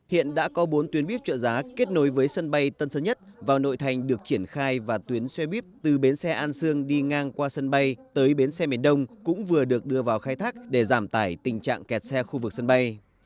hiện đã có bốn tuyến buýt trợ giá kết nối với sân bay tân sơn nhất vào nội thành được triển khai và tuyến xe buýt từ bến xe an sương đi ngang qua sân bay tới bến xe miền đông cũng vừa được đưa vào khai thác để giảm tải tình trạng kẹt xe khu vực sân bay